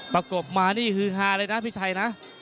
ประกบมานี่ฮือฮาเลยนะพี่ชัยนะ